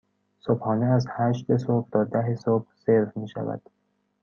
صبحانه از هشت صبح تا ده صبح سرو می شود.